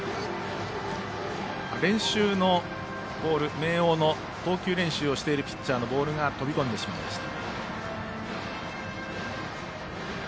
明桜の投球練習をしているピッチャーのボールが飛び込んでしまいました。